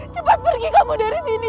cepat pergi kamu dari sini